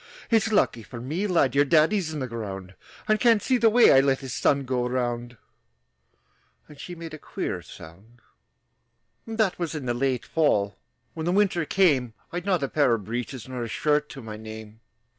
"It's lucky for me, lad, Your daddy's in the ground, And can't see the way I let His son go around!" And she made a queer sound. That was in the late fall. When the winter came, I'd not a pair of breeches Nor a shirt to my name.